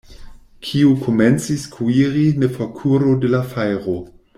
Kiu komencis kuiri, ne forkuru de la fajro.